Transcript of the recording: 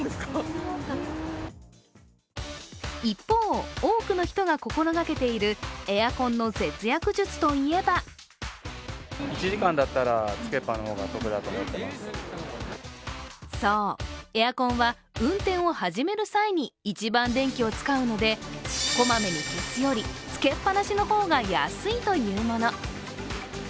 一方、多くの人が心がけているエアコンの節約術といえばそう、エアコンは運転を始める際に一番電気を使うので小まめに消すより、つけっぱなしの方が安いというもの。